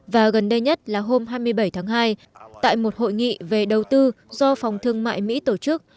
và gần đây nhất là hôm hai mươi bảy tháng hai tại một hội nghị về đầu tư do phòng thương mại mỹ tổ chức